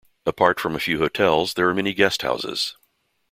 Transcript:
Apart from a few hotels, there are many guest houses.